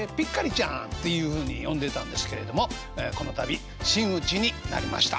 ちゃんっていうふうに呼んでたんですけれどもこの度真打ちになりました。